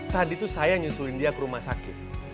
tadi tuh saya nyusulin dia ke rumah sakit